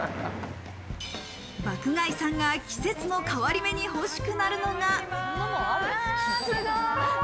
爆買いさんが季節の変わり目に欲しくなるのが。